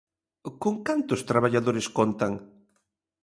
Con cantos traballadores contan?